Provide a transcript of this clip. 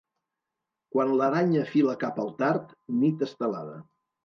Quan l'aranya fila cap al tard, nit estelada.